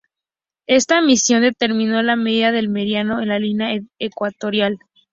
Esta misión determinó la medida del meridiano en la línea ecuatorial.